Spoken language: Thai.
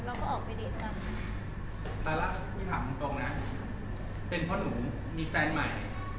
เราก็ออกไปดีกันเอาละพี่ถามตรงตรงนะเป็นเพราะหนูมีแฟนใหม่